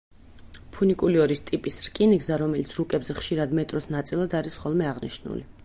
ფუნიკულიორის ტიპის რკინიგზა, რომელიც რუკებზე ხშირად მეტროს ნაწილად არის ხოლმე აღნიშნული.